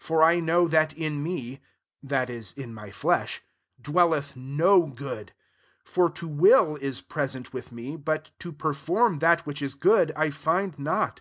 18 For I know that in me (that is, in my flesh), dwelleth no good : for to will is present with me ; but to per form that which is good, I find not.